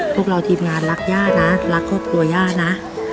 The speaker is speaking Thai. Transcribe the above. พวกเราทีมงานรักย่านะรักครอบครัวย่านะ